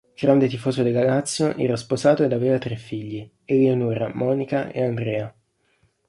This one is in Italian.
Grande tifoso della Lazio, era sposato ed aveva tre figli, Eleonora, Monica e Andrea.